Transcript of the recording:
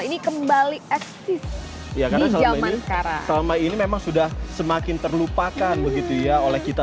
ini kembali eksis di jaman sekarang ini memang sudah semakin terlupakan begitu ya oleh kita